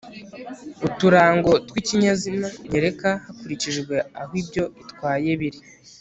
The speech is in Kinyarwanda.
uturango tw ikinyazina nyereka hakurikijwe aho ibyo itwaye biri